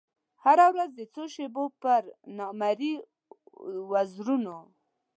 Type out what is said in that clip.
هره ورځ د څو شېبو پر نامریي وزرونو